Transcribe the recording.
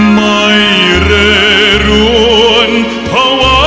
ไม่เร่รวนภาวะผวังคิดกังคัน